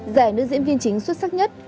giải nữ diễn viên chính xuất sắc nhất